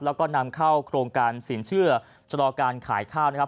แล้วก็นำเข้าโครงการสินเชื่อชะลอการขายข้าวนะครับ